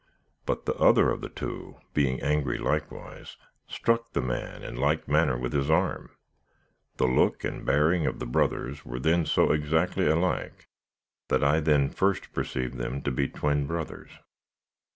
But the other of the two, being angry likewise, struck the man in like manner with his arm; the look and bearing of the brothers were then so exactly alike that I then first perceived them to be twin brothers.